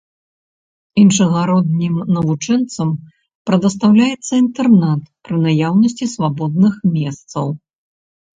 Іншагароднім навучэнцам прадастаўляецца інтэрнат пры наяўнасці свабодных месцаў.